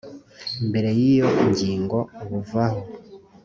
mbere cy iyi ngingo buvaho